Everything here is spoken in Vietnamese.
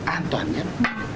an toàn nhất